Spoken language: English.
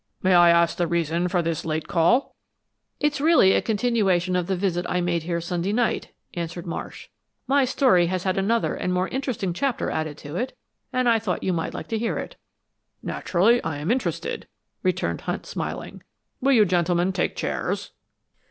"May I ask the reason for this late call?" "It's really a continuation of the visit I made here Sunday night," answered Marsh. "My story has had another and more interesting chapter added to it, and I thought you might like to hear it." "Naturally, I am interested," returned Hunt, smiling. "Will you gentlemen take chairs?"